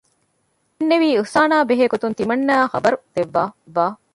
ދެން ދެންނެވީ އިޙުސާނާ ބެހޭ ގޮތުން ތިމަންނާއަށް ޚަބަރު ދެއްވާ